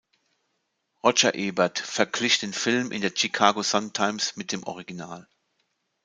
Roger Ebert verglich den Film in der Chicago Sun-Times mit dem Original.